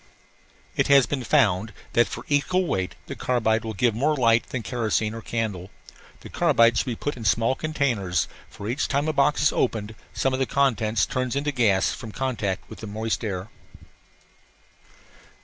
It has been found that for equal weight the carbide will give more light than kerosene or candle. The carbide should be put in small containers, for each time a box is opened some of the contents turns into gas from contact with the moist air.